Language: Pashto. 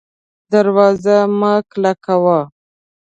دروازه مه کلکه وه